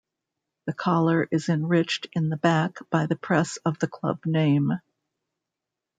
The collar is enriched in the back by the press of the Club name.